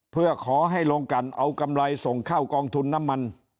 เพื่อขอให้ลงกันเอากำไรส่งเข้ากองทุนน้ำมัน